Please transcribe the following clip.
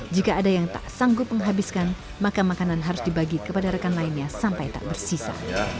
jika ada yang tak sanggup menghabiskan maka makanan harus dibagi kepada rekan lainnya sampai tak bersisa